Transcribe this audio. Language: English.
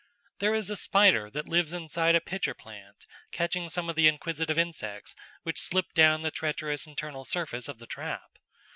_ There is a spider that lives inside a pitcher plant, catching some of the inquisitive insects which slip down the treacherous internal surface of the trap.